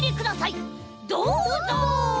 どうぞ！